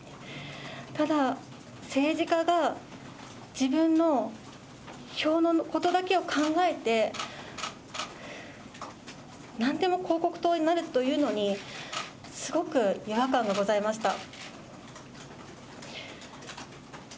ただ政治家が自分の票のことだけを考えて、なんでも広告塔になるというのにすごく違和感がございました。